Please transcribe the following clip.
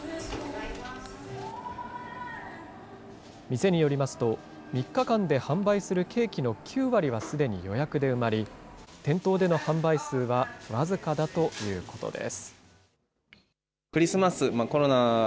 店によりますと、３日間で販売するケーキの９割はすでに予約で埋まり、店頭での販売数は僅かだということです。